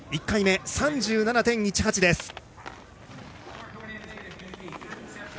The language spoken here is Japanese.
１回目、３７．１８です。